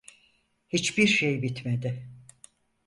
Hiçbir şey bitmedi.